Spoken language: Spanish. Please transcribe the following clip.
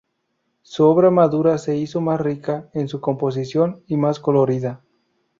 Su obra madura se hizo más rica en su composición y más colorida.